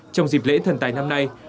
trong dịp lễ thần tài năm nay